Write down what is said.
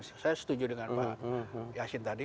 saya setuju dengan pak yasin tadi